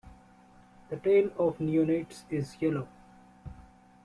The tail of neonates is yellow.